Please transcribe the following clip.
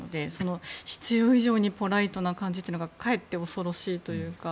必要以上にポライトな感じというのがかえって恐ろしいというか。